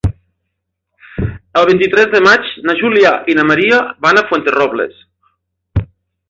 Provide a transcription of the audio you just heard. El vint-i-tres de maig na Júlia i na Maria van a Fuenterrobles.